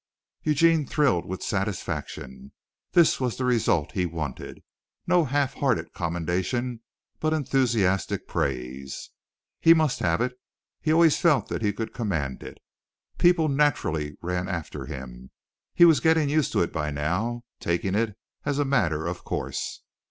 Eugene thrilled with satisfaction. This was the result he wanted. No half hearted commendation, but enthusiastic praise. He must have it. He always felt that he could command it. People naturally ran after him. He was getting used to it by now taking it as a matter of course.